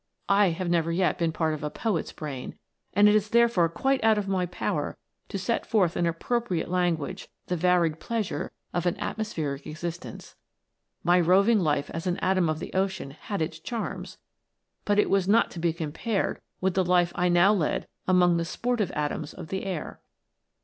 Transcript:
I have never yet been a part of a poet's brain, and it is therefore quite out of my power to set forth in appropriate language the varied pleasures of an at mospheric existence. My roving life as an atom of * Carbonic Acid. THE LIFE OF AN ATOM. 59 the ocean had its charms, but it was not to be com pared with the life I now led among the sportive atoms of the air.